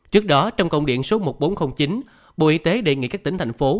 trước đó trong công điện số một nghìn bốn trăm linh chín bộ y tế đề nghị các tỉnh thành phố